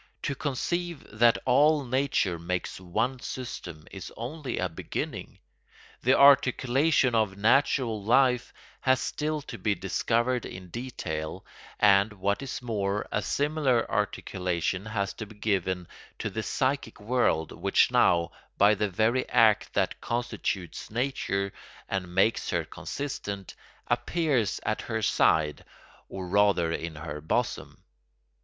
To conceive that all nature makes one system is only a beginning: the articulation of natural life has still to be discovered in detail and, what is more, a similar articulation has to be given to the psychic world which now, by the very act that constitutes Nature and makes her consistent, appears at her side or rather in her bosom.